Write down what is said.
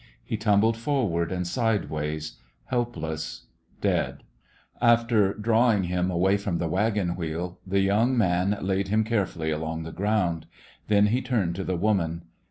He tumbled forward and sideways, helpless, deadl After drawing him away from the wagon wheel, the yoimg man laid him carefully along the groimd. Then he turned to the woman.